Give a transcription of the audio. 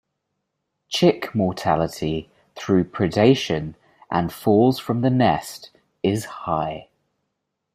Chick mortality through predation and falls from the nest is high.